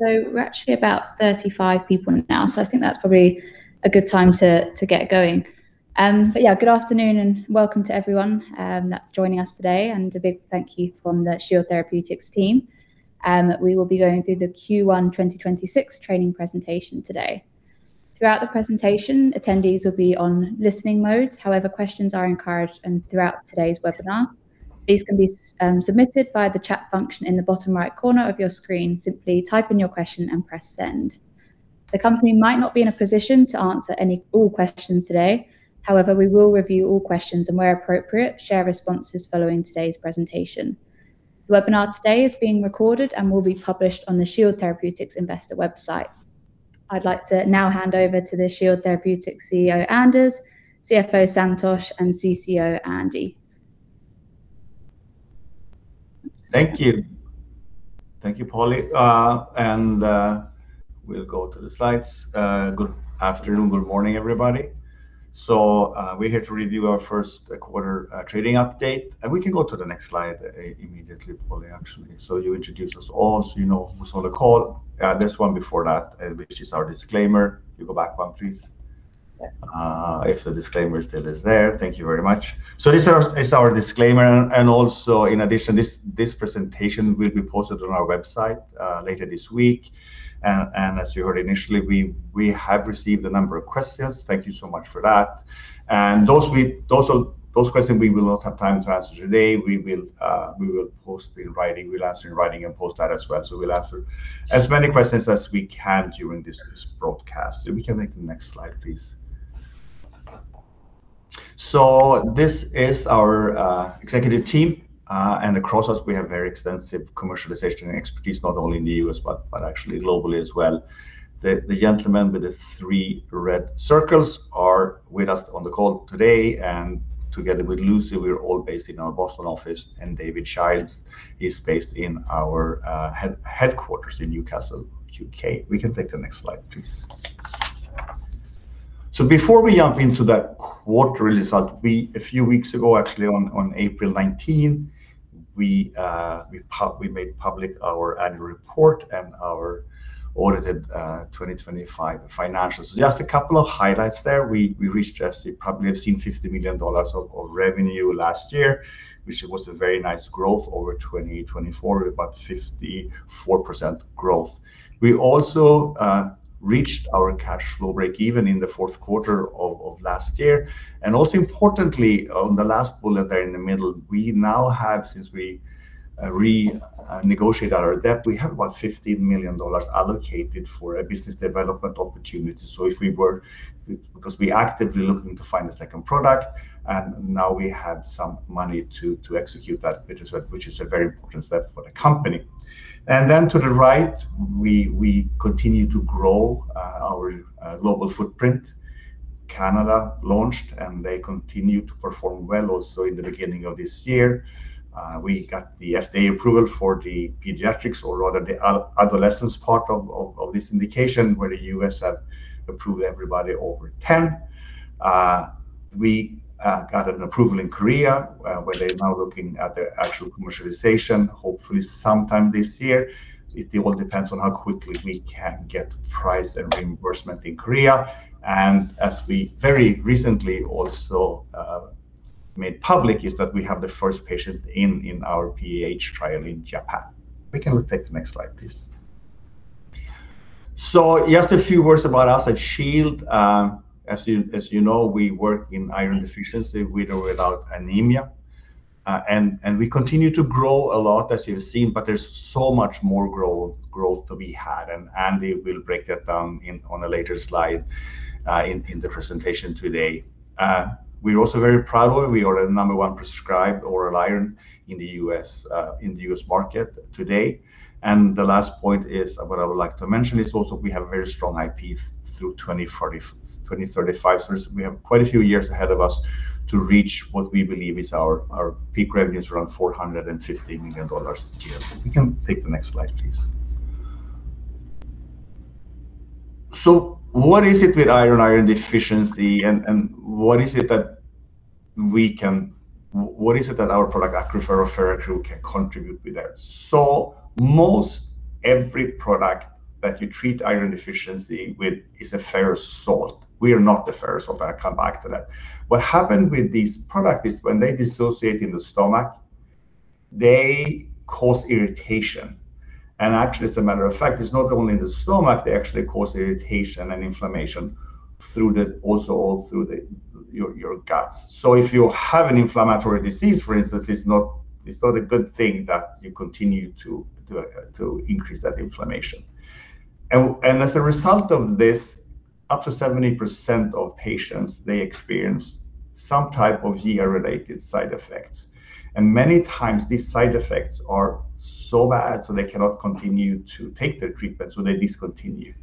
We're actually about 35 people now, I think that's probably a good time to get going. Good afternoon and welcome to everyone that's joining us today, and a big thank you from the Shield Therapeutics team. We will be going through the Q1 2026 training presentation today. Throughout the presentation, attendees will be on listening mode, however questions are encouraged throughout today's webinar. These can be submitted via the chat function in the bottom right corner of your screen. Simply type in your question and press send. The company might not be in a position to answer all questions today, however, we will review all questions and where appropriate, share responses following today's presentation. The webinar today is being recorded and will be published on the Shield Therapeutics investor website. I'd like to now hand over to the Shield Therapeutics CEO, Anders, CFO, Santosh, and CCO, Andy. Thank you. Thank you, Polly. We'll go to the slides. Good afternoon, good morning, everybody. We're here to review our first quarter trading update. We can go to the next slide immediately, Polly, actually. You introduced us all, so you know who's on the call. This one before that, which is our disclaimer. You can go back one, please. Yeah. If the disclaimer still is there. Thank you very much. This is our, is our disclaimer and also in addition, this presentation will be posted on our website later this week. As you heard initially, we have received a number of questions, thank you so much for that, and those questions we will not have time to answer today, we will post in writing. We'll answer in writing and post that as well. We'll answer as many questions as we can during this broadcast. We can take the next slide, please. This is our executive team, and across us we have very extensive commercialization and expertise not only in the U.S. but actually globally as well. The gentleman with the three red circles are with us on the call today. Together with Lucy, we're all based in our Boston office, and David Childs is based in our headquarters in Newcastle, U.K. We can take the next slide, please. Before we jump into that quarter result, we, a few weeks ago actually on April 19, we made public our annual report and our audited 2025 financials. Just a couple of highlights there. We reached, as you probably have seen, $50 million of revenue last year, which was a very nice growth over 2024, about 54% growth. We also reached our cash flow break even in the fourth quarter of last year. Also importantly, on the last bullet there in the middle, we now have, since we renegotiated our debt, we have about $15 million allocated for a business development opportunity. If we were because we're actively looking to find a second product, and now we have some money to execute that, which is a very important step for the company. Then to the right, we continue to grow our global footprint. Canada launched, and they continue to perform well also in the beginning of this year. We got the FDA approval for the pediatrics or rather the adolescence part of this indication, where the U.S. have approved everybody over 10. We got an approval in Korea, where they're now looking at the actual commercialization, hopefully sometime this year. It all depends on how quickly we can get price and reimbursement in Korea. As we very recently also made public is that we have the first patient in our PAH trial in Japan. We can take the next slide, please. Just a few words about us at Shield. As you know, we work in iron deficiency with or without anemia. We continue to grow a lot, as you have seen, but there's so much more growth to be had and Andy will break that down on a later slide in the presentation today. We're also very proud, we are the number one prescribed oral iron in the U.S., in the U.S. market today. The last point is, what I would like to mention is also we have very strong IP through 2035. We have quite a few years ahead of us to reach what we believe is our peak revenue is around $450 million last year. We can take the next slide, please. What is it with iron deficiency and what is it that our product, Accrufer or Feraccru can contribute with there? Most every product that you treat iron deficiency with is a ferrous salt. We are not the ferrous salt, but I'll come back to that. What happen with this product is when they dissociate in the stomach, they cause irritation. Actually, as a matter of fact, it's not only in the stomach, they actually cause irritation and inflammation through the, also all through the, your guts. If you have an inflammatory disease, for instance, it's not, it's not a good thing that you continue to increase that inflammation. As a result of this, up to 70% of patients, they experience some type of GI related side effects. Many times these side effects are so bad, so they cannot continue to take their treatment, so they discontinue.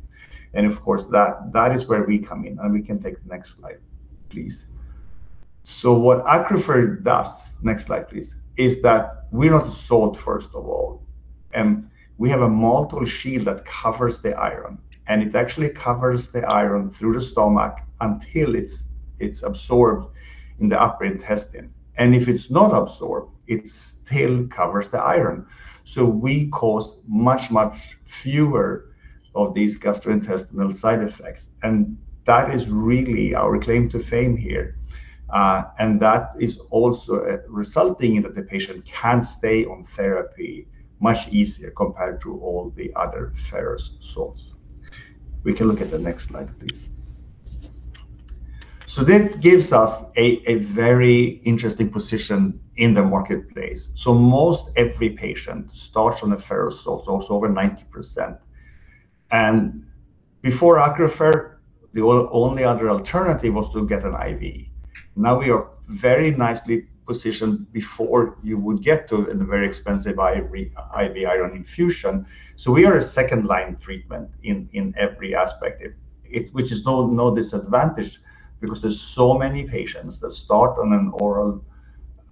Of course that is where we come in. We can take the next slide, please. What Accrufer does, next slide please, is that we're not salt, first of all, and we have a maltol shield that covers the iron, and it actually covers the iron through the stomach until it's absorbed in the upper intestine. If it's not absorbed, it still covers the iron. We cause much fewer of these gastrointestinal side effects, and that is really our claim to fame here. That is also resulting in that the patient can stay on therapy much easier compared to all the other ferrous salts. We can look at the next slide, please. That gives us a very interesting position in the marketplace. Most every patient starts on a ferrous salt, so over 90%. Before Accrufer, the only other alternative was to get an IV. We are very nicely positioned before you would get to an very expensive IV iron infusion. We are a second-line treatment in every aspect. Which is no disadvantage because there's so many patients that start on an oral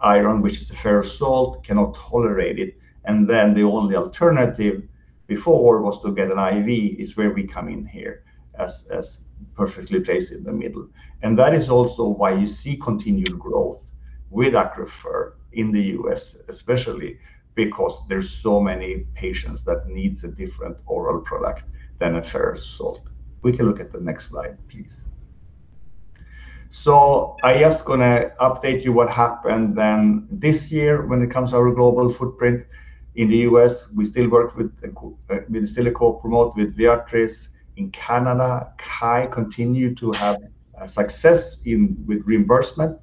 iron, which is a ferrous salt, cannot tolerate it, and then the only alternative before was to get an IV, is where we come in here as perfectly placed in the middle. That is also why you see continued growth with Accrufer in the U.S., especially because there's so many patients that needs a different oral product than a ferrous salt. We can look at the next slide, please. I just gonna update you what happened then this year when it comes to our global footprint. In the U.S., we still a co-promote with Viatris. In Canada, KYE continue to have success in with reimbursement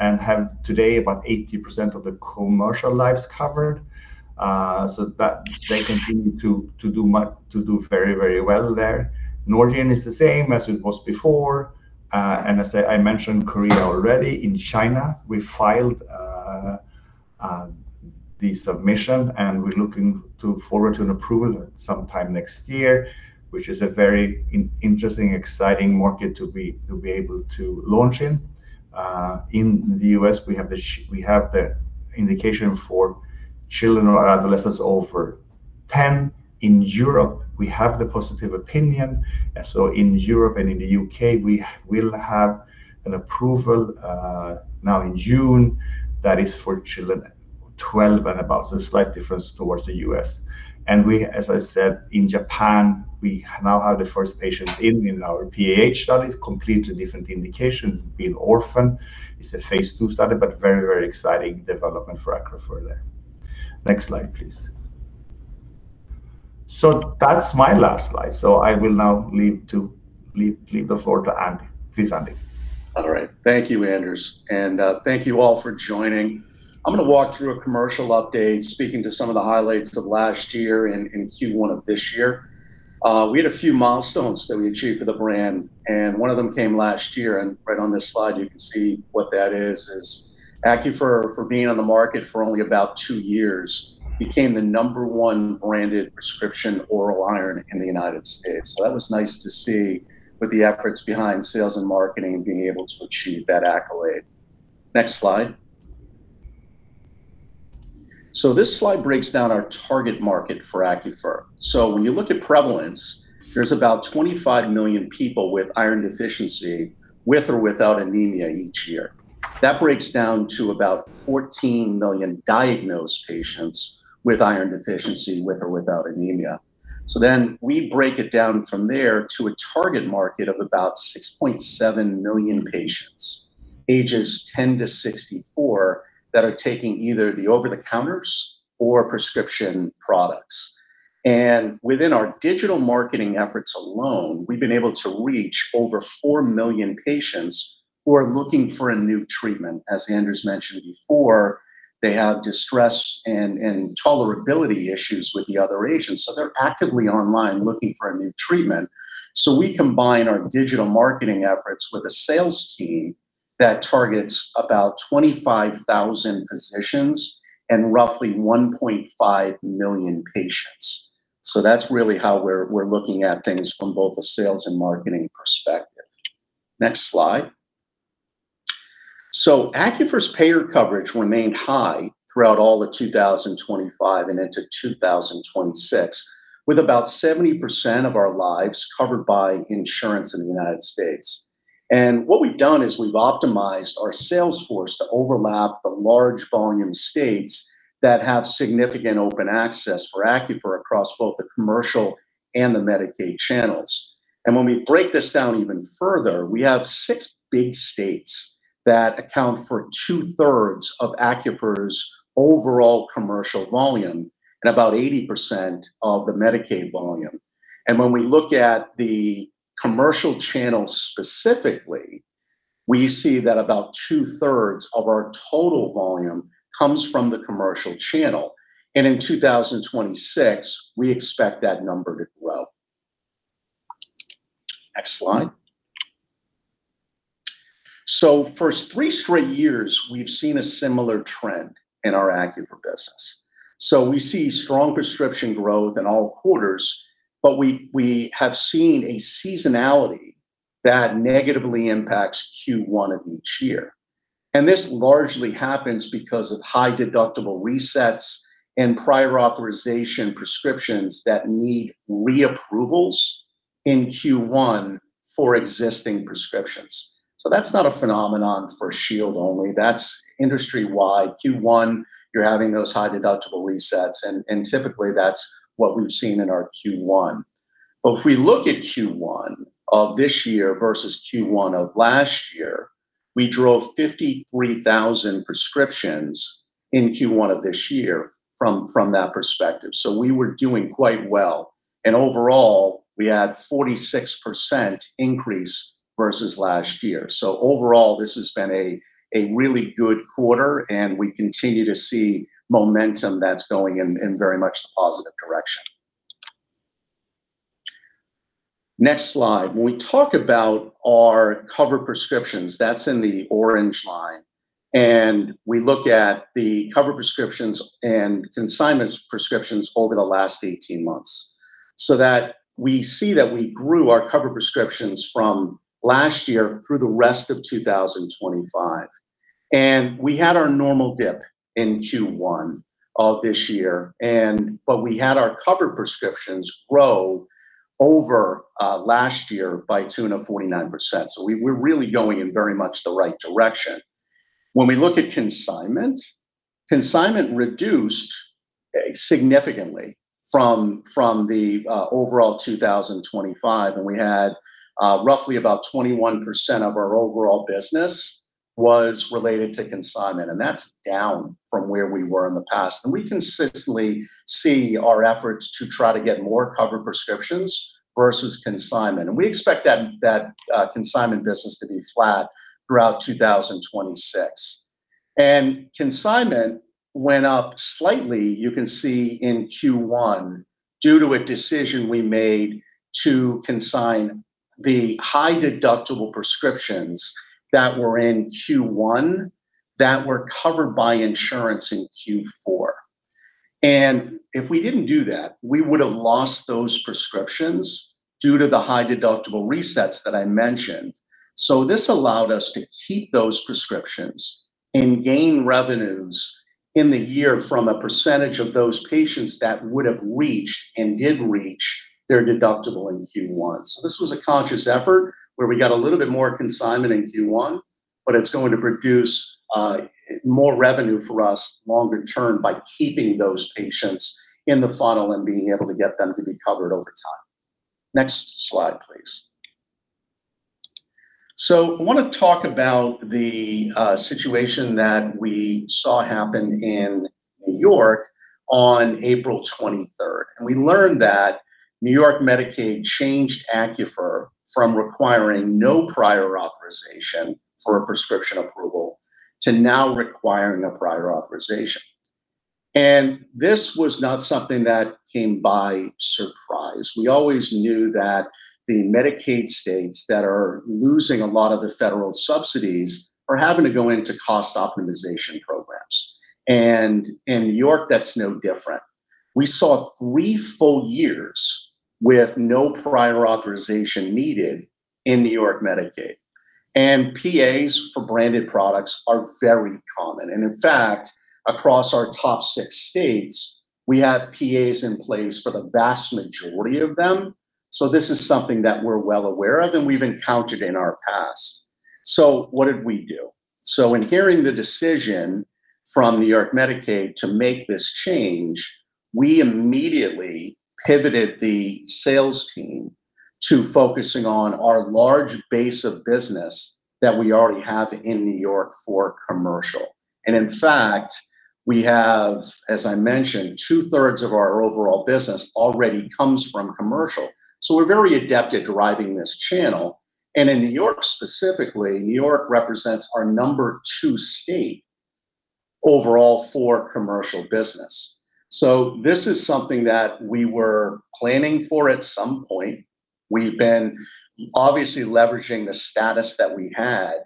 and have today about 80% of the commercial lives covered. That they continue to do very, very well there. Norgine is the same as it was before. I said I mentioned Korea already. In China, we filed the submission, and we're looking forward to an approval sometime next year, which is a very interesting, exciting market to be able to launch in. In the U.S., we have the indication for children or adolescents over 10. In Europe, we have the positive opinion. In Europe and in the U.K., we'll have an approval now in June that is for children 12 and above, slight difference towards the U.S. We, as I said, in Japan, we now have the first patient in our PAH study, completely different indications. Being orphan, it's a phase II study, but very, very exciting development for Accrufer there. Next slide, please. That's my last slide. I will now leave the floor to Andy. Please, Andy. All right. Thank you, Anders. Thank you all for joining. I'm gonna walk through a commercial update speaking to some of the highlights of last year and in Q1 of this year. We had a few milestones that we achieved for the brand, one of them came last year, right on this slide, you can see what that is Accrufer, for being on the market for only about two years, became the number one branded prescription oral iron in the U.S. That was nice to see with the efforts behind sales and marketing being able to achieve that accolade. Next slide. This slide breaks down our target market for Accrufer. When you look at prevalence, there's about 25 million people with iron deficiency with or without anemia each year. That breaks down to about 14 million diagnosed patients with iron deficiency with or without anemia. We break it down from there to a target market of about 6.7 million patients, ages 10-64, that are taking either the over-the-counter or prescription products. Within our digital marketing efforts alone, we've been able to reach over 4 million patients who are looking for a new treatment. As Anders mentioned before, they have distress and tolerability issues with the other agents, they're actively online looking for a new treatment. We combine our digital marketing efforts with a sales team that targets about 25,000 physicians and roughly 1.5 million patients. That's really how we're looking at things from both the sales and marketing perspective. Next slide. Accrufer's payer coverage remained high throughout all of 2025 and into 2026, with about 70% of our lives covered by insurance in the United States. What we've done is we've optimized our sales force to overlap the large volume states that have significant open access for Accrufer across both the commercial and the Medicaid channels. When we break this down even further, we have six big states that account for two-thirds of Accrufer's overall commercial volume and about 80% of the Medicaid volume. When we look at the commercial channel specifically, we see that about two-thirds of our total volume comes from the commercial channel. In 2026, we expect that number to grow. Next slide. For three straight years, we've seen a similar trend in our Accrufer business. We see strong prescription growth in all quarters, but we have seen a seasonality that negatively impacts Q1 of each year. This largely happens because of high deductible resets and prior authorization prescriptions that need reapprovals in Q1 for existing prescriptions. That's not a phenomenon for Shield only. That's industry-wide. Q1, you're having those high deductible resets, and typically that's what we've seen in our Q1. If we look at Q1 of this year versus Q1 of last year, we drove 53,000 prescriptions in Q1 of this year from that perspective. We were doing quite well. Overall, we had 46% increase versus last year. Overall, this has been a really good quarter, and we continue to see momentum that's going in very much the positive direction. Next slide. When we talk about our covered prescriptions, that's in the orange line, and we look at the covered prescriptions and consignment prescriptions over the last 18 months so that we see that we grew our covered prescriptions from last year through the rest of 2025. We had our normal dip in Q1 of this year, but we had our covered prescriptions grow over last year by tune of 49%. We're really going in very much the right direction. When we look at consignment reduced significantly from the overall 2025, and we had roughly about 21% of our overall business was related to consignment, and that's down from where we were in the past. We consistently see our efforts to try to get more covered prescriptions versus consignment. We expect that consignment business to be flat throughout 2026. Consignment went up slightly, you can see in Q1, due to a decision we made to consign the high deductible prescriptions that were in Q1 that were covered by insurance in Q4. If we didn't do that, we would have lost those prescriptions due to the high deductible resets that I mentioned. This allowed us to keep those prescriptions and gain revenues in the year from a percentage of those patients that would have reached and did reach their deductible in Q1. This was a conscious effort where we got a little bit more consignment in Q1, but it's going to produce more revenue for us longer term by keeping those patients in the funnel and being able to get them to be covered over time. Next slide, please. I want to talk about the situation that we saw happen in New York on April 23rd. We learned that New York Medicaid changed Accrufer from requiring no prior authorization for a prescription approval to now requiring a prior authorization. This was not something that came by surprise. We always knew that the Medicaid states that are losing a lot of the federal subsidies are having to go into cost optimization programs. In New York, that's no different. We saw three full years with no prior authorization needed in New York Medicaid. PAs for branded products are very common. In fact, across our top six states, we have PAs in place for the vast majority of them. This is something that we're well aware of and we've encountered in our past. What did we do? In hearing the decision from New York Medicaid to make this change, we immediately pivoted the sales team to focusing on our large base of business that we already have in New York for commercial. In fact, we have, as I mentioned, two-thirds of our overall business already comes from commercial. We're very adept at driving this channel. In New York specifically, New York represents our number two state overall for commercial business. This is something that we were planning for at some point. We've been obviously leveraging the status that we had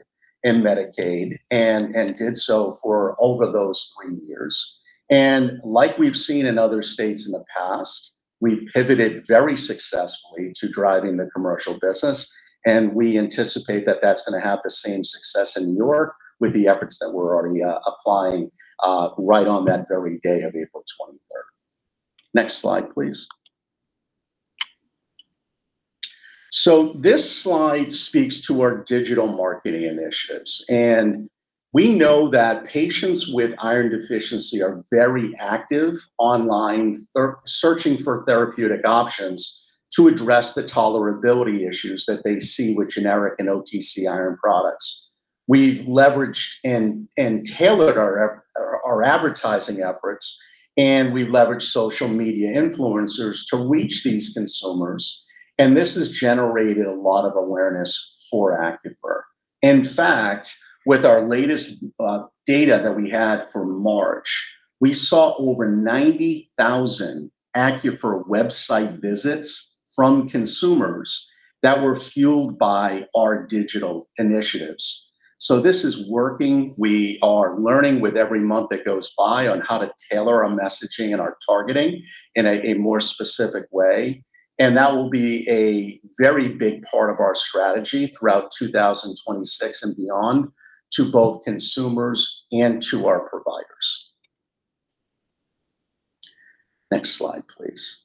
in Medicaid and did so for over those three years. Like we've seen in other states in the past, we pivoted very successfully to driving the commercial business, and we anticipate that that's gonna have the same success in New York. with the efforts that we're already applying right on that very day of April 23rd. Next slide, please. This slide speaks to our digital marketing initiatives. We know that patients with iron deficiency are very active online searching for therapeutic options to address the tolerability issues that they see with generic and OTC iron products. We've leveraged and tailored our advertising efforts, and we've leveraged social media influencers to reach these consumers, and this has generated a lot of awareness for Accrufer. In fact, with our latest data that we had for March, we saw over 90,000 Accrufer website visits from consumers that were fueled by our digital initiatives. This is working. We are learning with every month that goes by on how to tailor our messaging and our targeting in a more specific way. That will be a very big part of our strategy throughout 2026 and beyond to both consumers and to our providers. Next slide, please.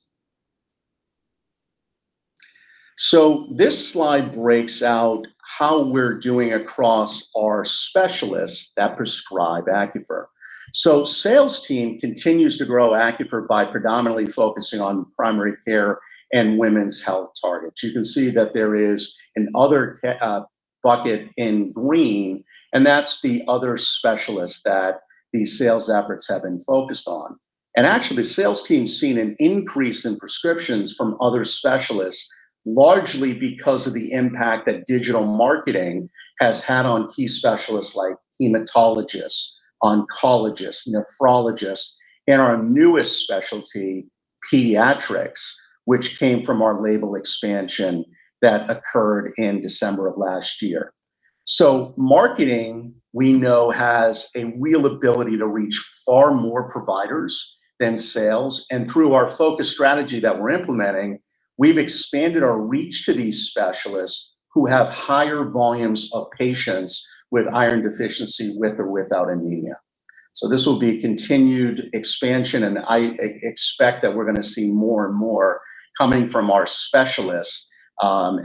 This slide breaks out how we're doing across our specialists that prescribe Accrufer. Sales team continues to grow Accrufer by predominantly focusing on primary care and women's health targets. You can see that there is an other bucket in green, and that's the other specialists that these sales efforts have been focused on. Actually, the sales team's seen an increase in prescriptions from other specialists, largely because of the impact that digital marketing has had on key specialists like hematologists, oncologists, nephrologists, and our newest specialty, pediatrics, which came from our label expansion that occurred in December of last year. Marketing, we know, has a real ability to reach far more providers than sales. Through our focus strategy that we're implementing, we've expanded our reach to these specialists who have higher volumes of patients with iron deficiency with or without anemia. This will be a continued expansion, and I expect that we're gonna see more and more coming from our specialists,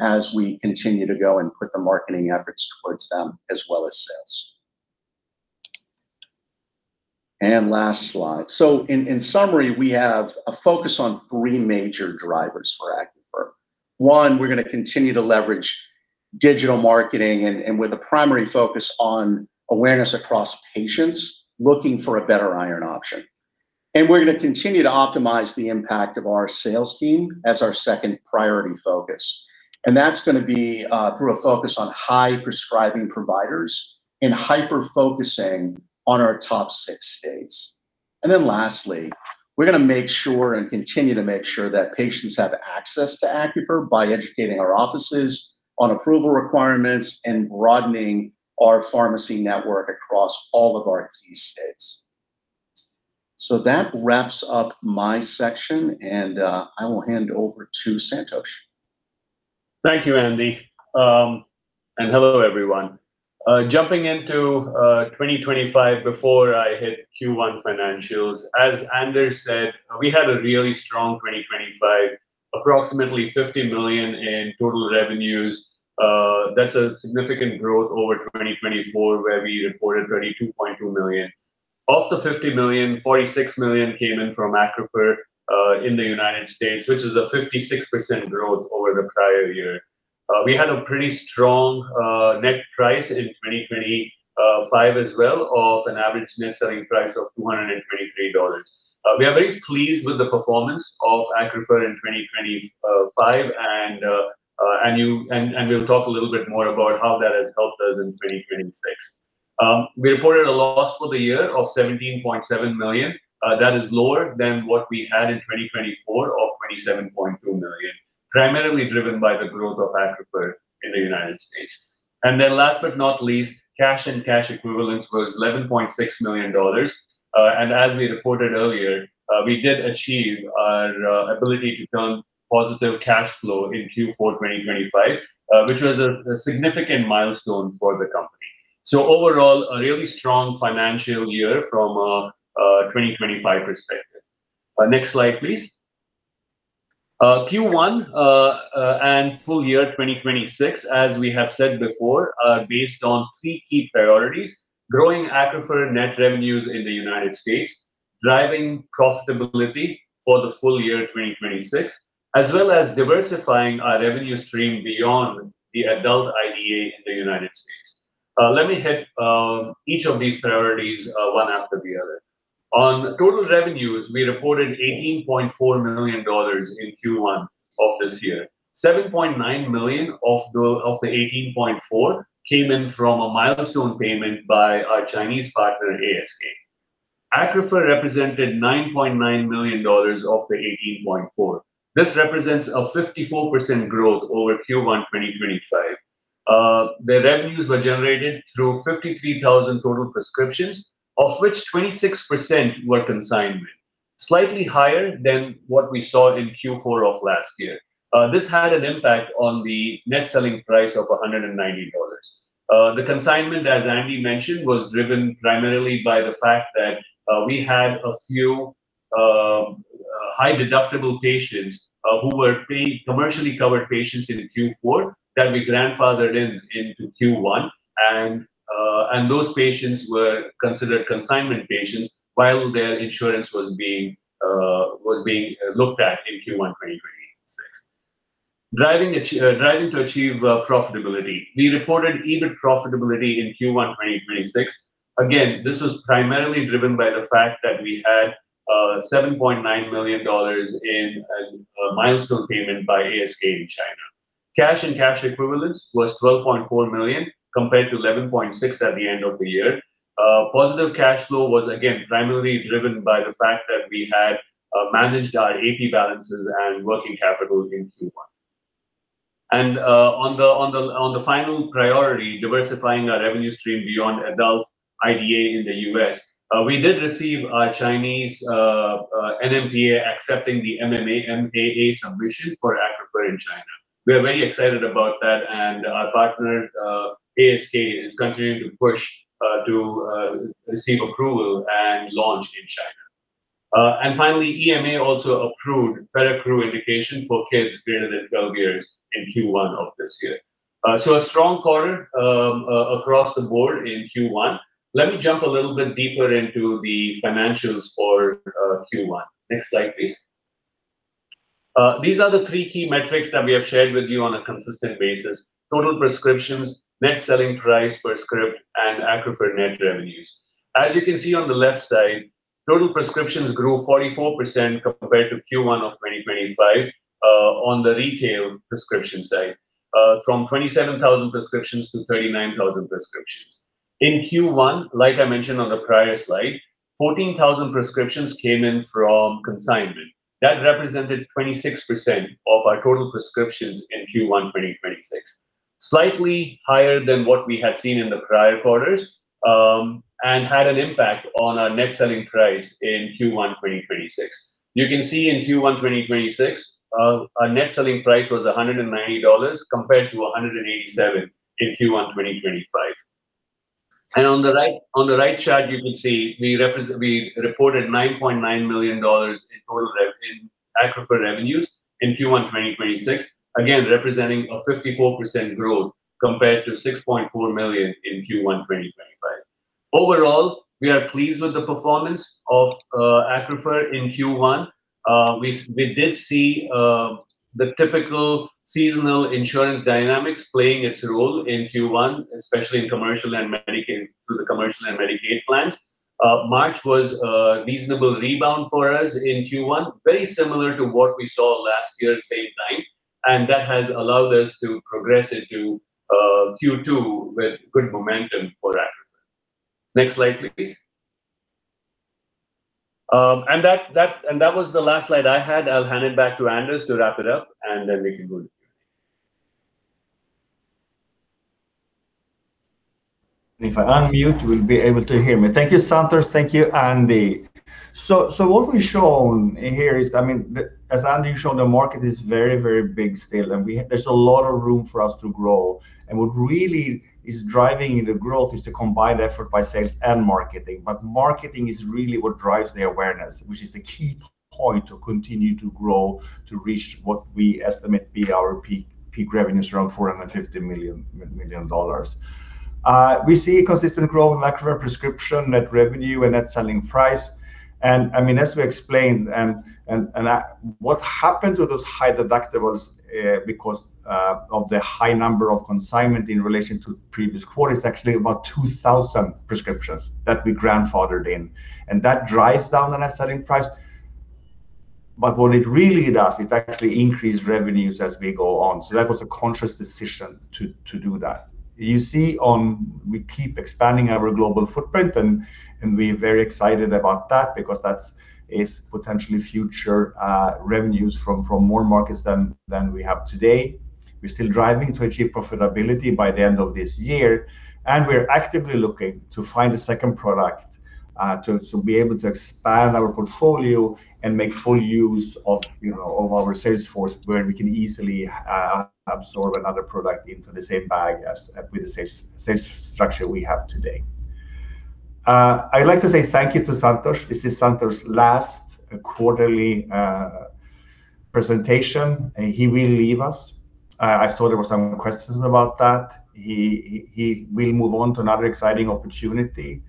as we continue to go and put the marketing efforts towards them as well as sales. Last slide. In summary, we have a focus on three major drivers for Accrufer. One, we're going to continue to leverage digital marketing and with a primary focus on awareness across patients looking for a better iron option. We're going to continue to optimize the impact of our sales team as our second priority focus. That's going to be through a focus on high-prescribing providers and hyper-focusing on our top six states. Lastly, we're going to make sure and continue to make sure that patients have access to Accrufer by educating our offices on approval requirements and broadening our pharmacy network across all of our key states. That wraps up my section, and I will hand over to Santosh. Thank you, Andy. Hello, everyone. Jumping into 2025 before I hit Q1 financials. As Anders said, we had a really strong 2025, approximately $50 million in total revenues. That's a significant growth over 2024, where we reported $22.2 million. Of the $50 million, $46 million came in from Accrufer in the United States, which is a 56% growth over the prior year. We had a pretty strong net price in 2025 as well of an average net selling price of $223. We are very pleased with the performance of Accrufer in 2025, and we'll talk a little bit more about how that has helped us in 2026. We reported a loss for the year of $17.7 million. That is lower than what we had in 2024 of $27.2 million, primarily driven by the growth of Accrufer in the United States. Last but not least, cash and cash equivalents was $11.6 million. As we reported earlier, we did achieve our ability to turn positive cash flow in Q4 2025, which was a significant milestone for the company. Overall, a really strong financial year from a 2025 perspective. Next slide, please. Q1 and full year 2026, as we have said before, are based on three key priorities: growing Accrufer net revenues in the U.S., driving profitability for the full year 2026, as well as diversifying our revenue stream beyond the adult IDA in the U.S. Let me hit each of these priorities one after the other. On total revenues, we reported $18.4 million in Q1 of this year. $7.9 million of the $18.4 came in from a milestone payment by our Chinese partner, ASK. Accrufer represented $9.9 million of the $18.4. This represents a 54% growth over Q1 2025. The revenues were generated through 53,000 total prescriptions, of which 26% were consignment, slightly higher than what we saw in Q4 of last year. This had an impact on the net selling price of $190. The consignment, as Andy mentioned, was driven primarily by the fact that we had a few high-deductible patients who were pre-commercially covered patients in Q4 that we grandfathered in into Q1. Those patients were considered consignment patients while their insurance was being looked at in Q1 2026. Driving to achieve profitability, we reported EBIT profitability in Q1 2026. Again, this was primarily driven by the fact that we had $7.9 million in a milestone payment by ASK in China. Cash and cash equivalents was $12.4 million compared to $11.6 at the end of the year. Positive cash flow was again primarily driven by the fact that we had managed our AP balances and working capital in Q1. On the final priority, diversifying our revenue stream beyond adult IDA in the U.S., we did receive a Chinese NMPA accepting the MAA submission for Accrufer in China. We are very excited about that and our partner, ASK, is continuing to push to receive approval and launch in China. Finally, EMA also approved Feraccru indication for kids greater than 12 years in Q1 of this year. A strong quarter across the board in Q1. Let me jump a little bit deeper into the financials for Q1. Next slide please. These are the three key metrics that we have shared with you on a consistent basis. Total prescriptions, net selling price per script, and Accrufer net revenues. As you can see on the left side, total prescriptions grew 44% compared to Q1 2025 on the retail prescription side, from 27,000 prescriptions to 39,000 prescriptions. In Q1, like I mentioned on the prior slide, 14,000 prescriptions came in from consignment. That represented 26% of our total prescriptions in Q1 2026. Slightly higher than what we had seen in the prior quarters, and had an impact on our net selling price in Q1 2026. You can see in Q1 2026, our net selling price was $190 compared to $187 in Q1 2025. On the right chart you can see we reported $9.9 million in total Accrufer revenues in Q1 2026, again, representing a 54% growth compared to $6.4 million in Q1 2025. Overall, we are pleased with the performance of Accrufer in Q1. We did see the typical seasonal insurance dynamics playing its role in Q1, especially in commercial and Medicaid, through the commercial and Medicaid plans. March was a reasonable rebound for us in Q1, very similar to what we saw last year same time, That has allowed us to progress into Q2 with good momentum for Accrufer. Next slide please. That was the last slide I had. I'll hand it back to Anders to wrap it up and then we can go to Q&A. If I unmute you will be able to hear me. Thank you Santosh. Thank you Andy. What we've shown here is, as Andy showed, the market is very, very big still, and there's a lot of room for us to grow. What really is driving the growth is the combined effort by sales and marketing. Marketing is really what drives the awareness, which is the key point to continue to grow to reach what we estimate be our peak revenues around $450 million. We see consistent growth in Accrufer prescription, net revenue and net selling price. I mean, as we explained, what happened to those high deductibles, because of the high number of consignment in relation to previous quarter, it's actually about 2,000 prescriptions that we grandfathered in, and that drives down the net selling price. What it really does is actually increase revenues as we go on. That was a conscious decision to do that. We keep expanding our global footprint and we're very excited about that because that is potentially future revenues from more markets than we have today. We're still driving to achieve profitability by the end of this year, and we are actively looking to find a second product to be able to expand our portfolio and make full use of, you know, of our sales force where we can easily absorb another product into the same bag as with the sales structure we have today. I'd like to say thank you to Santosh. This is Santosh's last quarterly presentation, and he will leave us. I saw there were some questions about that. He will move on to another exciting opportunity.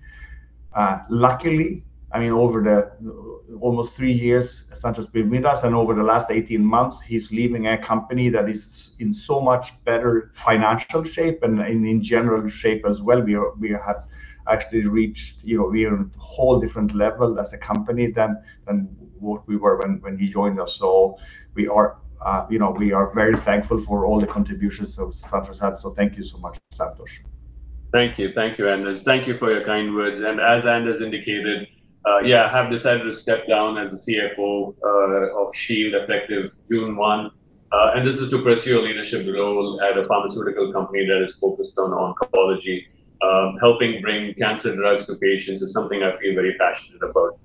Luckily, I mean, over the almost three years Santosh's been with us and over the last 18 months, he's leaving a company that is in so much better financial shape and in general shape as well. We have actually reached, you know, we are at a whole different level as a company than what we were when he joined us. We are, you know, we are very thankful for all the contributions of Santosh had. Thank you so much, Santosh. Thank you. Thank you, Anders. Thank you for your kind words. As Anders indicated, I have decided to step down as the CFO of Shield effective June 1. This is to pursue a leadership role at a pharmaceutical company that is focused on oncology. Helping bring cancer drugs to patients is something I feel very passionate about.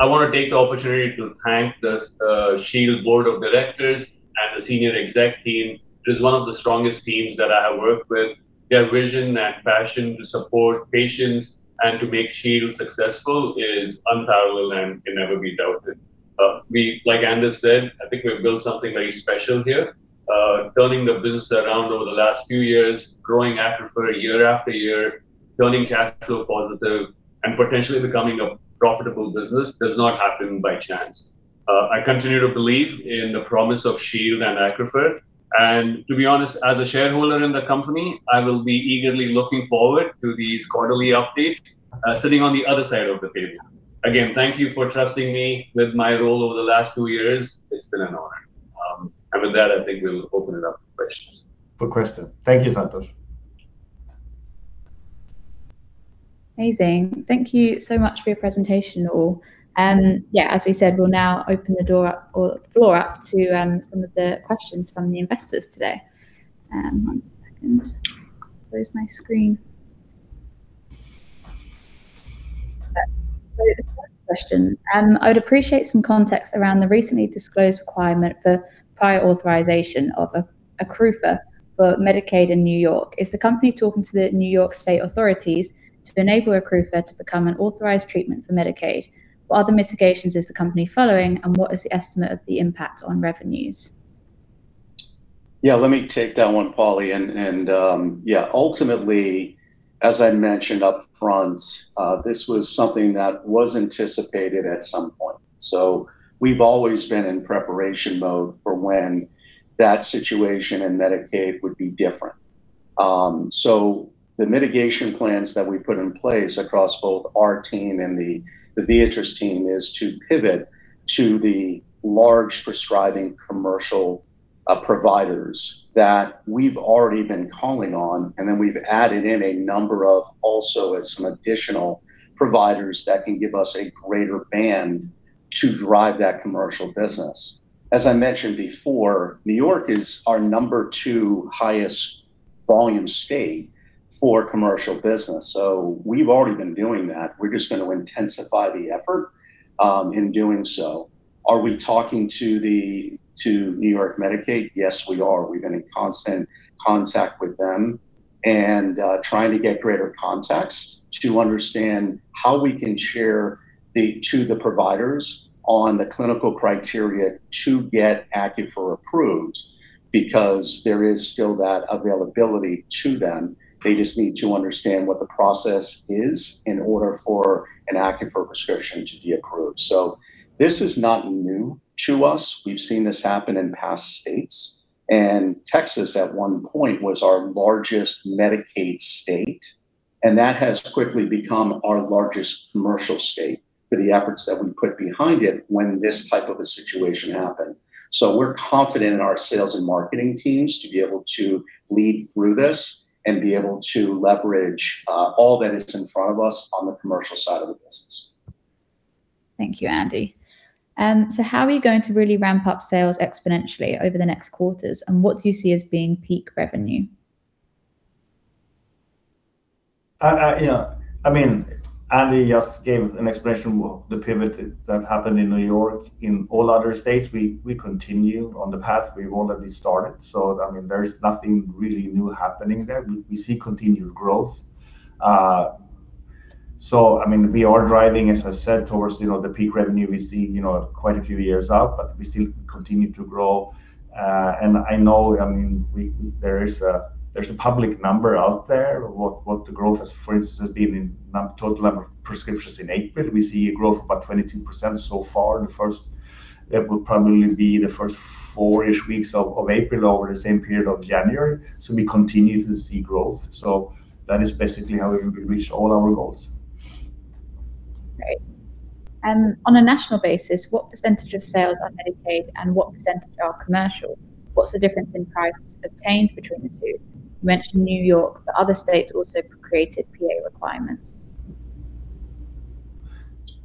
I want to take the opportunity to thank the Shield Board of Directors and the senior exec team, which is one of the strongest teams that I have worked with. Their vision and passion to support patients and to make Shield successful is unparalleled and can never be doubted. We, like Anders said, I think we've built something very special here. Turning the business around over the last few years, growing Accrufer year after year, turning cash flow positive and potentially becoming a profitable business does not happen by chance. To be honest, as a shareholder in the company, I will be eagerly looking forward to these quarterly updates, sitting on the other side of the table. Again, thank you for trusting me with my role over the last two years. It's been an honor. With that, I think we'll open it up for questions. For questions. Thank you, Santosh. Amazing. Thank you so much for your presentation, all. Yeah, as we said, we'll now open the floor up to some of the questions from the investors today. One second. There's my screen. First question. I would appreciate some context around the recently disclosed requirement for prior authorization of Accrufer for Medicaid in New York. Is the company talking to the New York State authorities to enable Accrufer to become an authorized treatment for Medicaid? What other mitigations is the company following? What is the estimate of the impact on revenues? Yeah, let me take that one, Polly. Ultimately, as I mentioned up front, this was something that was anticipated at some point. We've always been in preparation mode for when that situation and Medicaid would be different. The mitigation plans that we put in place across both our team and the Viatris team is to pivot to the large prescribing commercial providers that we've already been calling on, we've added in a number of also as some additional providers that can give us a greater band to drive that commercial business. As I mentioned before, New York is our number two highest volume state for commercial business. We've already been doing that. We're just gonna intensify the effort in doing so. Are we talking to New York Medicaid? Yes, we are. We've been in constant contact with them and trying to get greater context to understand how we can share the, to the providers on the clinical criteria to get Accrufer approved because there is still that availability to them. They just need to understand what the process is in order for an Accrufer prescription to be approved. This is not new to us. We've seen this happen in past states. Texas at one point was our largest Medicaid state, and that has quickly become our largest commercial state for the efforts that we put behind it when this type of a situation happened. We're confident in our sales and marketing teams to be able to lead through this and be able to leverage all that is in front of us on the commercial side of the business. Thank you, Andy. How are you going to really ramp up sales exponentially over the next quarters, and what do you see as being peak revenue? Yeah, I mean, Andy just gave an explanation what the pivot that happened in New York. In all other states, we continue on the path we've already started. I mean, there is nothing really new happening there. We see continued growth. I mean, we are driving, as I said, towards, you know, the peak revenue we see, you know, quite a few years out, but we still continue to grow. I know, I mean, we, there is a public number out there what the growth has been, for instance, in total number of prescriptions in April. We see a growth about 22% so far the first four-ish weeks of April over the same period of January. We continue to see growth. That is basically how we reach all our goals. Great. On a national basis, what percentage of sales are Medicaid and what percentage are commercial? What's the difference in prices obtained between the two? You mentioned New York, but other states also created PA requirements.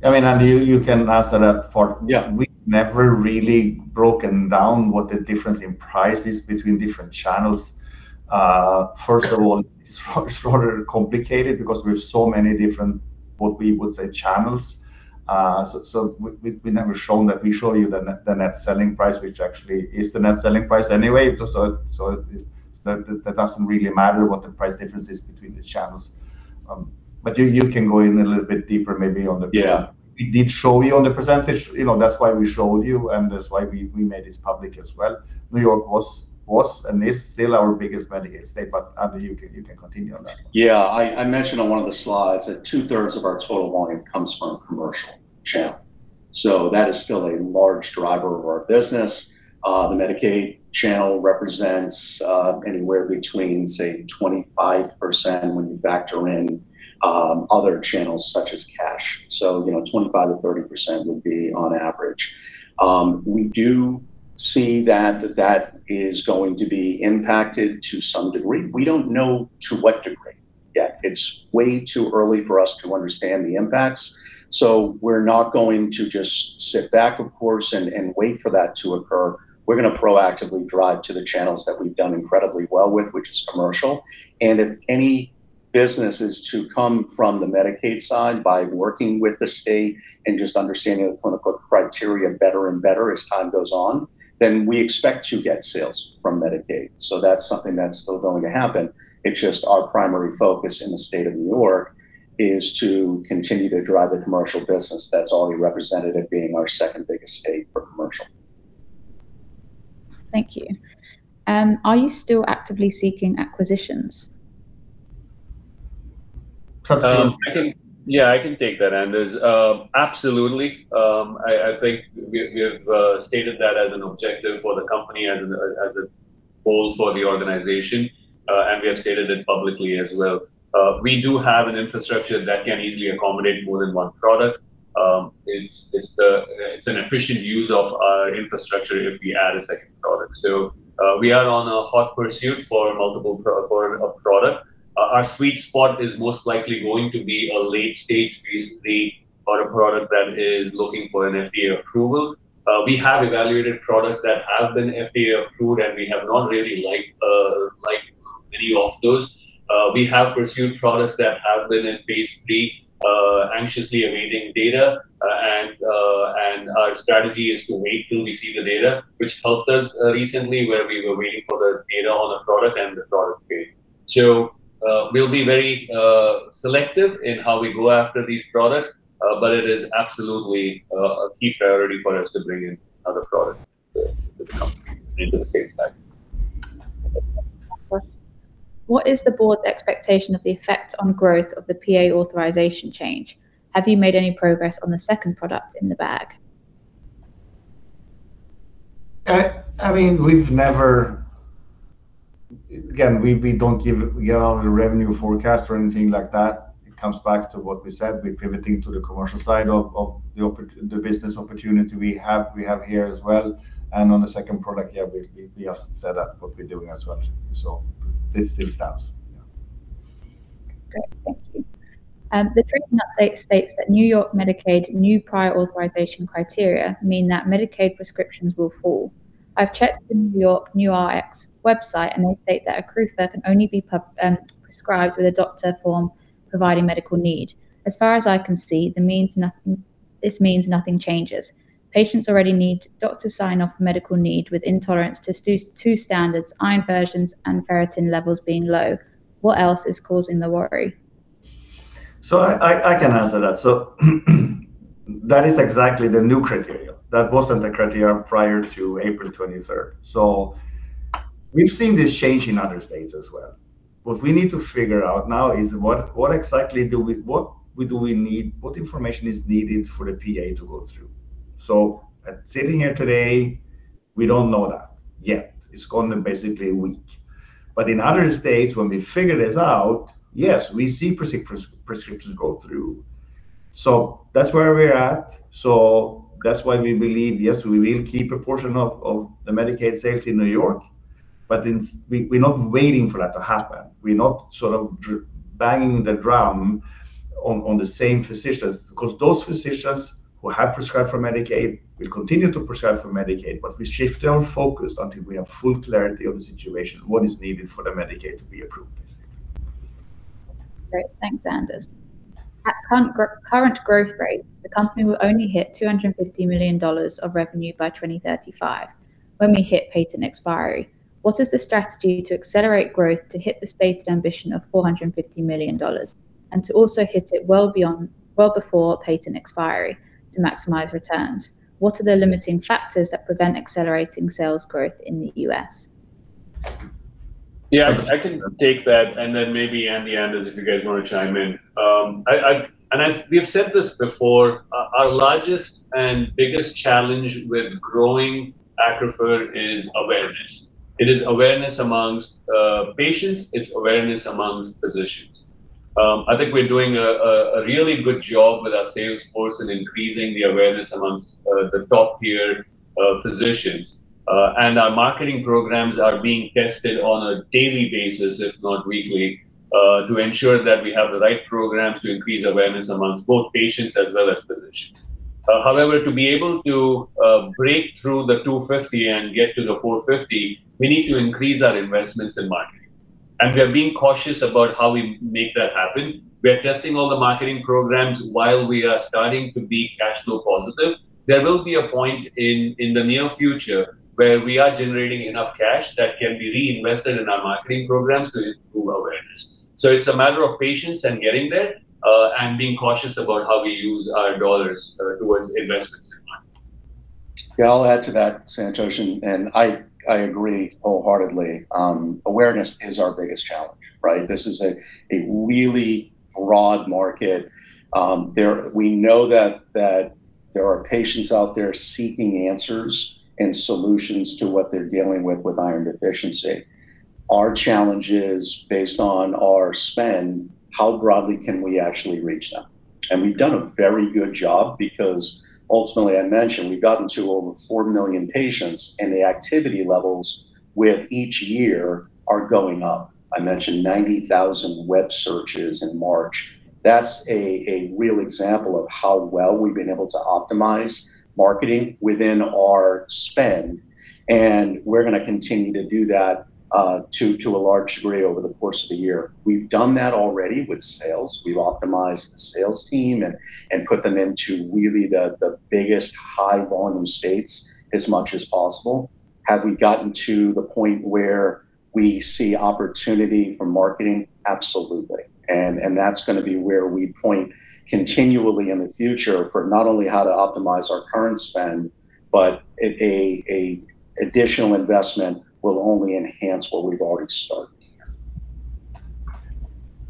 I mean, Andy, you can answer that part. Yeah. We've never really broken down what the difference in price is between different channels. First of all, it's rather complicated because we have so many different, what we would say, channels. We never shown that. We show you the net selling price, which actually is the net selling price anyway. That doesn't really matter what the price difference is between the channels. You can go in a little bit deeper maybe on the percent. Yeah. We did show you on the percentage. You know, that's why we show you, and that's why we made this public as well. New York was and is still our biggest Medicaid state. Andy, you can continue on that one. I mentioned on one of the slides that 2/3 of our total volume comes from commercial channel. That is still a large driver of our business. The Medicaid channel represents anywhere between, say, 25% when you factor in other channels such as cash. You know, 25%-30% would be on average. We do see that that is going to be impacted to some degree. We don't know to what degree yet. It's way too early for us to understand the impacts. We're not going to just sit back, of course, and wait for that to occur. We're gonna proactively drive to the channels that we've done incredibly well with, which is commercial. If any business is to come from the Medicaid side by working with the state and just understanding the clinical criteria better and better as time goes on, then we expect to get sales from Medicaid. That's something that's still going to happen. It's just our primary focus in the state of New York is to continue to drive the commercial business that's already represented it being our second-biggest state for commercial. Thank you. Are you still actively seeking acquisitions? Santosh? I can take that, Anders. Absolutely. I think we have stated that as an objective for the company, as a goal for the organization, we have stated it publicly as well. We do have an infrastructure that can easily accommodate more than one product. It's an efficient use of our infrastructure if we add a second product. We are on a hot pursuit for a product. Our sweet spot is most likely going to be a late stage phase III or a product that is looking for an FDA approval. We have evaluated products that have been FDA approved, we have not really liked many of those. We have pursued products that have been in phase III, anxiously awaiting data. Our strategy is to wait till we see the data, which helped us recently where we were waiting for the data on a product and the product paid. We'll be very selective in how we go after these products, but it is absolutely a key priority for us to bring in other product to the company into the sales side. Next question. What is the board's expectation of the effect on growth of the PA authorization change? Have you made any progress on the second product in the bag? I mean, we've never. Again, we don't give out a revenue forecast or anything like that. It comes back to what we said, we're pivoting to the commercial side of the business opportunity we have here as well. On the second product, yeah, we just set out what we're doing as well. It's this stuff, yeah. Great. Thank you. The treatment update states that New York Medicaid new prior authorization criteria mean that Medicaid prescriptions will fall. I've checked the NYRx website, they state that Accrufer can only be prescribed with a doctor form providing medical need. As far as I can see, this means nothing changes. Patients already need doctor sign-off for medical need with intolerance to two standards, iron versions and ferritin levels being low. What else is causing the worry? I can answer that. That is exactly the new criteria. That wasn't the criteria prior to April 23rd. We've seen this change in other states as well. What we need to figure out now is what exactly do we need, what information is needed for the PA to go through? At sitting here today, we don't know that yet. It's gone basically a week. In other states, when we figure this out, yes, we see prescriptions go through. That's where we're at. That's why we believe, yes, we will keep a portion of the Medicaid sales in New York, but we're not waiting for that to happen. We're not sort of banging the drum on the same physicians because those physicians who have prescribed for Medicaid will continue to prescribe for Medicaid. We shift our focus until we have full clarity of the situation, what is needed for the Medicaid to be approved, basically. Great. Thanks, Anders. At current growth rates, the company will only hit $250 million of revenue by 2035 when we hit patent expiry. What is the strategy to accelerate growth to hit the stated ambition of $450 million and to also hit it well beyond, well before patent expiry to maximize returns? What are the limiting factors that prevent accelerating sales growth in the U.S.? Yeah, I can take that, maybe Andy, Anders, if you guys wanna chime in. We have said this before, our largest and biggest challenge with growing Accrufer is awareness. It is awareness amongst patients. It's awareness amongst physicians. I think we're doing a really good job with our sales force in increasing the awareness amongst the top tier physicians. Our marketing programs are being tested on a daily basis, if not weekly, to ensure that we have the right programs to increase awareness amongst both patients as well as physicians. However, to be able to break through the $250 million and get to the $450 million, we need to increase our investments in marketing, we are being cautious about how we make that happen. We are testing all the marketing programs while we are starting to be cash flow positive. There will be a point in the near future where we are generating enough cash that can be reinvested in our marketing programs to improve awareness. It is a matter of patience and getting there and being cautious about how we use our dollars towards investments in marketing. Yeah, I'll add to that, Santosh. I agree wholeheartedly. Awareness is our biggest challenge, right? This is a really broad market. We know that there are patients out there seeking answers and solutions to what they're dealing with, iron deficiency. Our challenge is based on our spend, how broadly can we actually reach them? We've done a very good job because ultimately I mentioned we've gotten to over 4 million patients, and the activity levels with each year are going up. I mentioned 90,000 web searches in March. That's a real example of how well we've been able to optimize marketing within our spend, we're gonna continue to do that to a large degree over the course of the year. We've done that already with sales. We've optimized the sales team and put them into really the biggest high volume states as much as possible. Have we gotten to the point where we see opportunity for marketing? Absolutely. That's gonna be where we point continually in the future for not only how to optimize our current spend, but a additional investment will only enhance what we've already started here.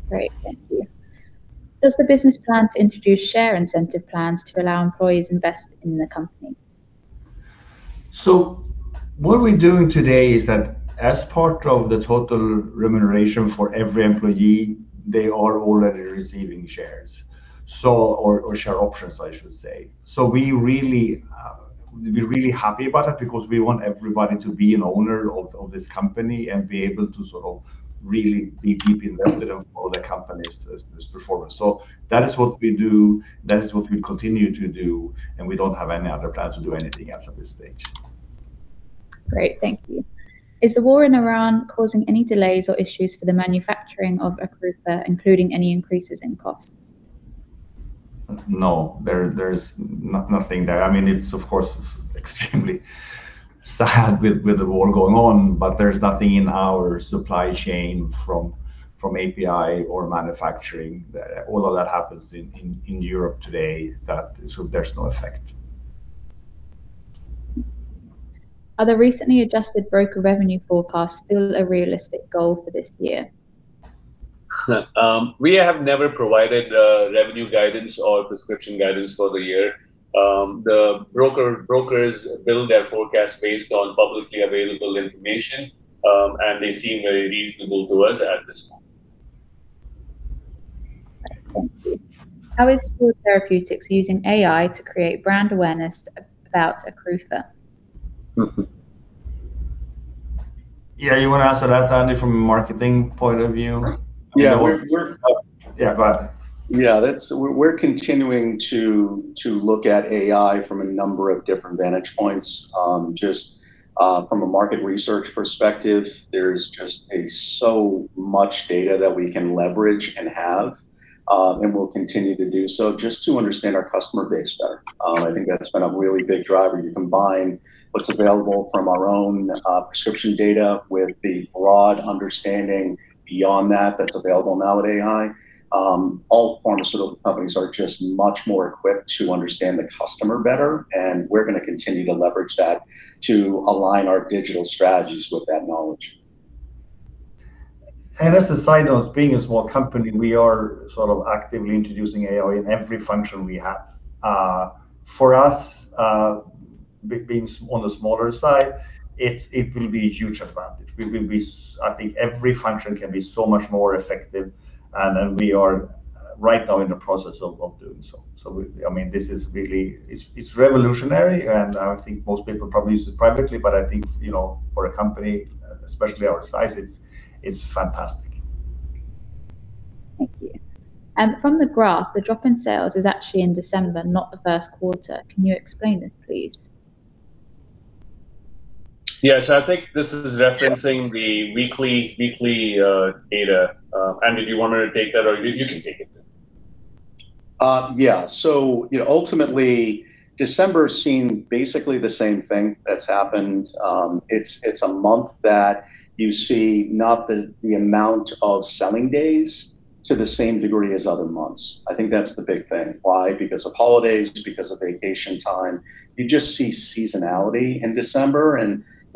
Great. Thank you. Does the business plan to introduce share incentive plans to allow employees invest in the company? What we're doing today is that as part of the total remuneration for every employee, they are already receiving shares or share options, I should say. We're really happy about it because we want everybody to be an owner of this company and be able to sort of really be deeply invested in all the company's performance. That is what we do, that is what we continue to do, and we don't have any other plans to do anything else at this stage. Great. Thank you. Is the war in Ukraine causing any delays or issues for the manufacturing of Accrufer, including any increases in costs? No. There's nothing there. I mean, it's, of course, extremely sad with the war going on, but there's nothing in our supply chain from API or manufacturing. All of that happens in Europe today, that so there's no effect. Are the recently adjusted broker revenue forecast still a realistic goal for this year? We have never provided revenue guidance or prescription guidance for the year. The brokers build their forecast based on publicly available information, and they seem very reasonable to us at this point. Thank you. How is Shield Therapeutics using AI to create brand awareness about Accrufer? Yeah, you wanna answer that, Andy, from a marketing point of view? Yeah. Yeah. Go ahead. Yeah. We're continuing to look at AI from a number of different vantage points. Just from a market research perspective, there's so much data that we can leverage and have, and we'll continue to do so just to understand our customer base better. I think that's been a really big driver. You combine what's available from our own prescription data with the broad understanding beyond that that's available now with AI. All pharmaceutical companies are just much more equipped to understand the customer better, and we're gonna continue to leverage that to align our digital strategies with that knowledge. As a side note, being a small company, we are actively introducing AI in every function we have. For us, being on the smaller side, it will be a huge advantage. We will be I think every function can be so much more effective, and we are right now in the process of doing so. I mean, this is really it's revolutionary, and I think most people probably use it privately. I think, you know, for a company, especially our size, it's fantastic. Thank you. From the graph, the drop in sales is actually in December, not the first quarter. Can you explain this, please? Yeah. I think this is referencing the weekly data. Andy, do you want me to take that or you can take it. Yeah. You know, ultimately, December's seen basically the same thing that's happened. It's a month that you see not the amount of selling days to the same degree as other months. I think that's the big thing. Why? Because of holidays, because of vacation time. You just see seasonality in December.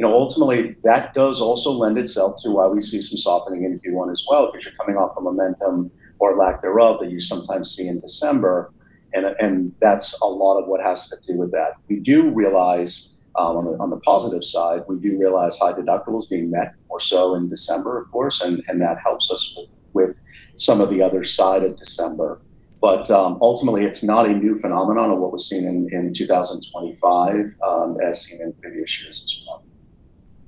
You know, ultimately, that does also lend itself to why we see some softening in Q1 as well, because you're coming off the momentum, or lack thereof, that you sometimes see in December, and that's a lot of what has to do with that. We do realize, on the positive side, we do realize high deductibles being met more so in December, of course, and that helps us with some of the other side of December. Ultimately, it's not a new phenomenon of what was seen in 2025, as seen in previous years as well.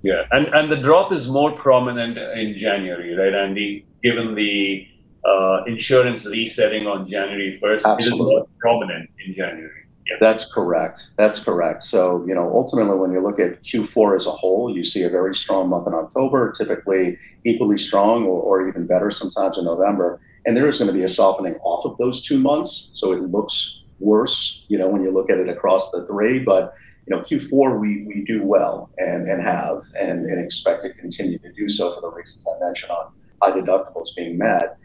Yeah. The drop is more prominent in January, right, Andy, given the insurance resetting on January 1st? Absolutely It is more prominent in January. Yeah. That's correct. That's correct. You know, ultimately, when you look at Q4 as a whole, you see a very strong month in October, typically equally strong or even better sometimes in November. There is gonna be a softening off of those two months, so it looks worse, you know, when you look at it across the three. You know, Q4, we do well and have and expect to continue to do so for the reasons I mentioned on high deductibles being met.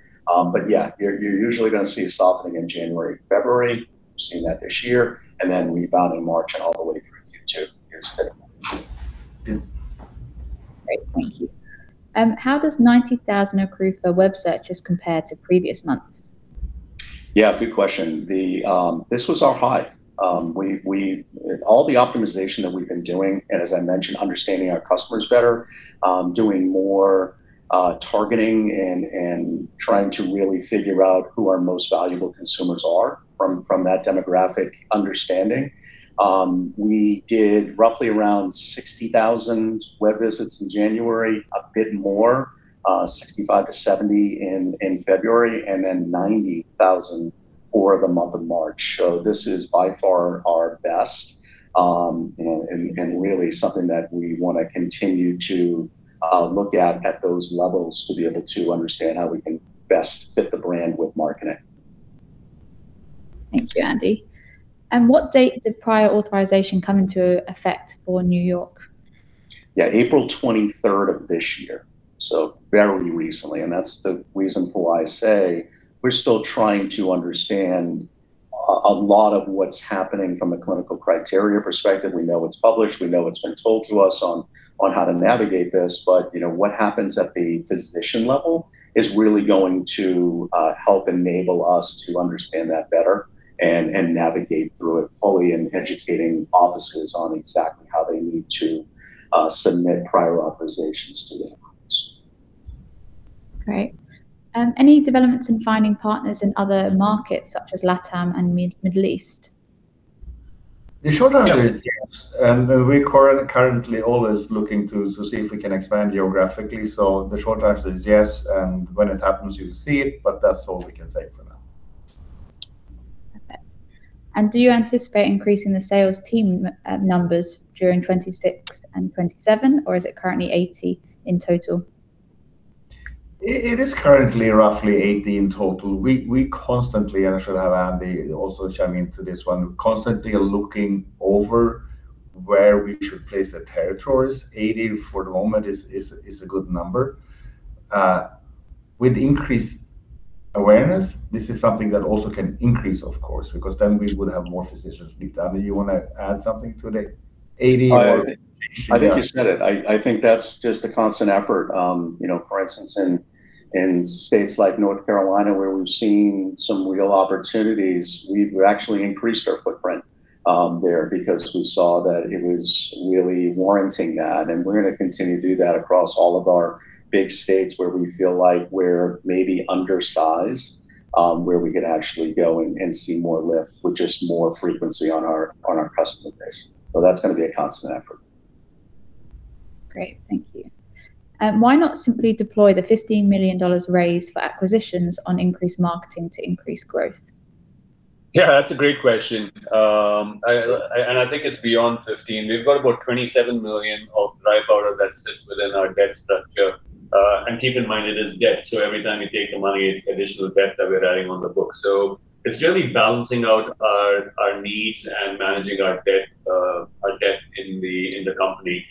You're usually gonna see a softening in January, February. We've seen that this year, rebound in March and all the way through Q2 this year. Yeah. Great. Thank you. How does 90,000 Accrufer web searches compare to previous months? Good question. This was our high. All the optimization that we've been doing, and as I mentioned, understanding our customers better, doing more targeting and trying to really figure out who our most valuable consumers are from that demographic understanding. We did roughly around 60,000 web visits in January, a bit more, 65,000-70,000 in February, and then 90,000 for the month of March. This is by far our best, you know, and really something that we want to continue to look at those levels to be able to understand how we can best fit the brand with marketing. Thank you, Andy. What date did prior authorization come into effect for New York? Yeah, April 23rd of this year, fairly recently. That's the reason for why I say we're still trying to understand a lot of what's happening from a clinical criteria perspective. We know it's published, we know what's been told to us on how to navigate this, you know, what happens at the physician level is really going to help enable us to understand that better and navigate through it fully in educating offices on exactly how they need to submit prior authorizations to the insurance. Great. Any developments in finding partners in other markets such as LATAM and Middle East? The short answer is yes. We currently always looking to see if we can expand geographically. The short answer is yes, and when it happens, you'll see it, but that's all we can say for now. Perfect. Do you anticipate increasing the sales team numbers during 2026 and 2027, or is it currently 80 in total? It is currently roughly 80 in total. We constantly, and I should have Andy also chime into this one, constantly are looking over where we should place the territories. 80 for the moment is a good number. With increased awareness, this is something that also can increase, of course, because then we would have more physicians. Did you wanna add something to the 80? I think you said it. I think that's just the constant effort. You know, for instance, in states like North Carolina where we've seen some real opportunities, we've actually increased our footprint there because we saw that it was really warranting that. We're gonna continue to do that across all of our big states where we feel like we're maybe undersized, where we could actually go and see more lift with just more frequency on our customer base. That's gonna be a constant effort. Great. Thank you. Why not simply deploy the $15 million raised for acquisitions on increased marketing to increase growth? Yeah, that's a great question. I think it's beyond $15 million. We've got about $27 million of dry powder that sits within our debt structure. Keep in mind it is debt, every time we take the money, it's additional debt that we're adding on the books. It's really balancing out our needs and managing our debt in the company.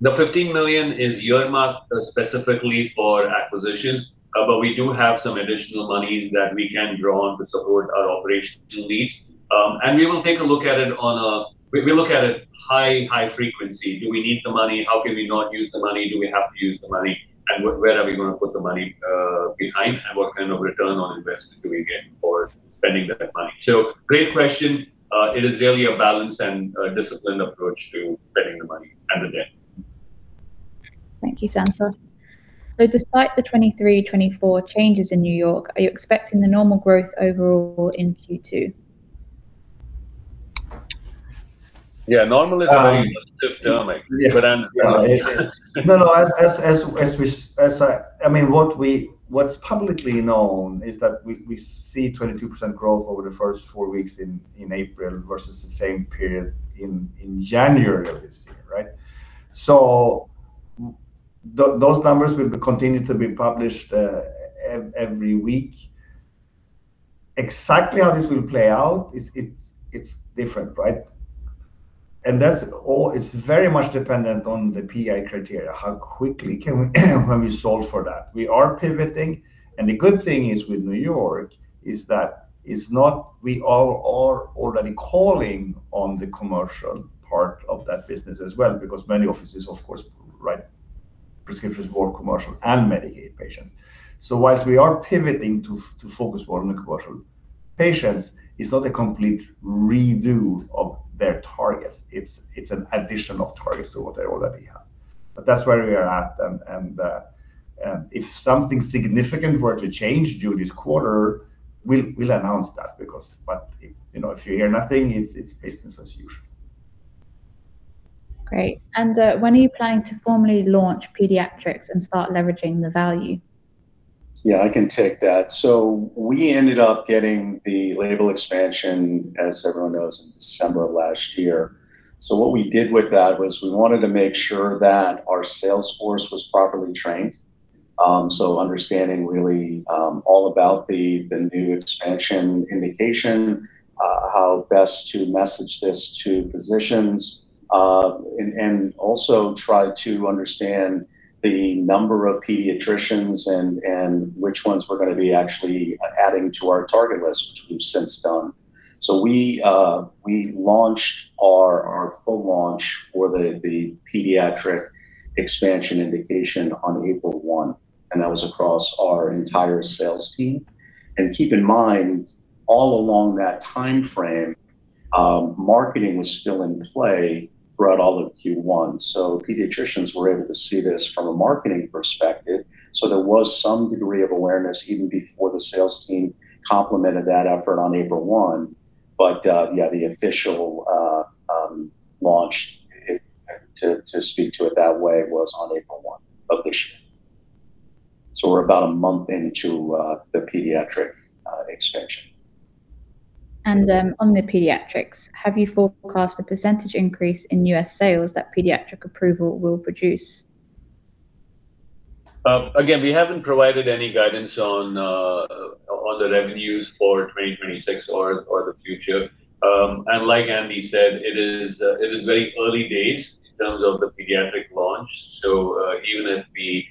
The $15 million is earmarked specifically for acquisitions, we do have some additional monies that we can draw on to support our operational needs. We will take a look at it on a high frequency. Do we need the money? How can we not use the money? Do we have to use the money? Where are we gonna put the money behind? What kind of return on investment do we get for spending the money? Great question. It is really a balance and a disciplined approach to spending the money at the end. Thank you, Santosh. Despite the 2023, 2024 changes in New York, are you expecting the normal growth overall in Q2? Yeah. Normal is a very positive term, I guess. Yeah. No, no, as I mean, what's publicly known is that we see 22% growth over the first four weeks in April versus the same period in January of this year, right? Those numbers will be continued to be published every week. Exactly how this will play out is, it's different, right? That's all, it's very much dependent on the PA criteria, how quickly can we solve for that. We are pivoting, and the good thing is with New York. is that it's not, we are already calling on the commercial part of that business as well, because many offices, of course, write prescriptions for commercial and Medicaid patients. Whilst we are pivoting to focus more on the commercial patients, it's not a complete redo of their targets. It's an addition of targets to what they already have. That's where we are at. If something significant were to change during this quarter, we'll announce that because, you know, if you hear nothing, it's business as usual. Great. When are you planning to formally launch pediatrics and start leveraging the value? Yeah, I can take that. We ended up getting the label expansion, as everyone knows, in December of last year. What we did with that was we wanted to make sure that our sales force was properly trained, so understanding really all about the new expansion indication, how best to message this to physicians, and also try to understand the number of pediatricians and which ones we're gonna be actually adding to our target list, which we've since done. We launched our full launch for the pediatric expansion indication on April 1, and that was across our entire sales team. Keep in mind, all along that timeframe, marketing was still in play throughout all of Q1. Pediatricians were able to see this from a marketing perspective, so there was some degree of awareness even before the sales team complemented that effort on April 1. Yeah, the official launch to speak to it that way, was on April 1 of this year. We're about a month into the pediatric expansion. On the pediatrics, have you forecast a percentage increase in U.S. sales that pediatric approval will produce? Again, we haven't provided any guidance on the revenues for 2026 or the future. Like Andy said, it is very early days in terms of the pediatric launch. Even if we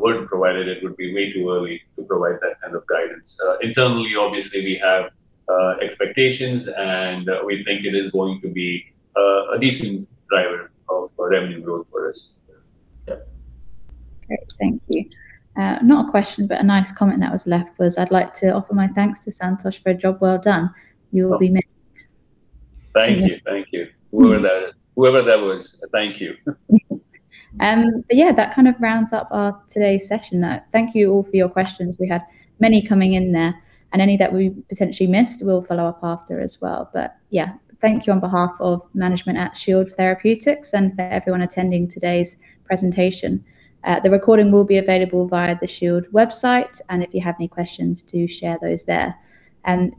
were to provide it would be way too early to provide that kind of guidance. Internally, obviously we have expectations, and we think it is going to be a decent driver of revenue growth for us. Yeah. Great. Thank you. Not a question, but a nice comment that was left was, "I'd like to offer my thanks to Santosh for a job well done. You will be missed. Thank you. Thank you. Whoever that was, thank you. Yeah, that kind of rounds up our today's session. Thank you all for your questions. We had many coming in there, and any that we potentially missed, we'll follow up after as well. Yeah, thank you on behalf of management at Shield Therapeutics and for everyone attending today's presentation. The recording will be available via the Shield website, and if you have any questions, do share those there.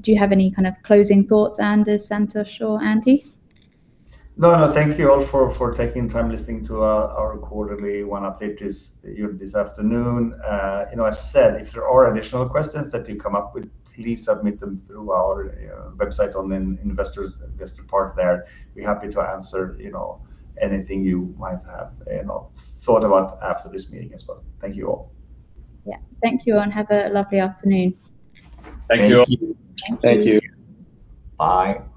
Do you have any kind of closing thoughts, Anders, Santosh or Andy? No, no. Thank you all for taking time listening to our quarterly one update this afternoon. You know, as said, if there are additional questions that you come up with, please submit them through our website on the investor part there. Be happy to answer, you know, anything you might have, you know, thought about after this meeting as well. Thank you all. Yeah. Thank you, and have a lovely afternoon. Thank you. Thank you. Bye. Bye.